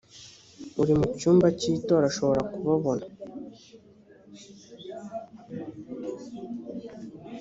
uri mu cyumba cy itora ashobora kukabona